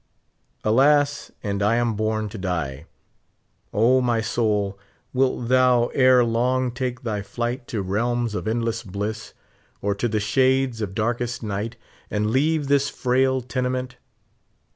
Alas ! and am I born to die ! O, my soul, wilt thou ere long take thy flight to realms of endless bliss, or to the shades of darkest night, and leave this frail tene ment?